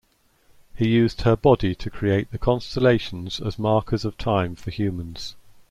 He used her body to create the constellations as markers of time for humans.